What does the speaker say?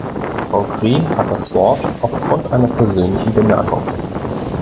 Frau Green hat das Wort aufgrund einer persönlichen Bemerkung.